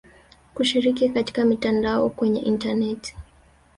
kushiriki katika mitandao kwenye intaneti.